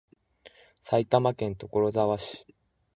埼玉県所沢市